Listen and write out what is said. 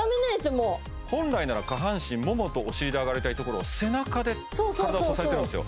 もう本来なら下半身ももとお尻で上がりたいところを背中で体を支えてるんですよ